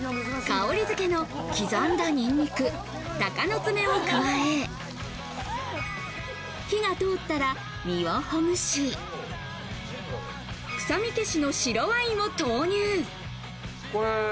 香りづけの刻んだニンニク、鷹の爪を加え火が通ったら身をほぐし、臭み消しの白ワインを投入。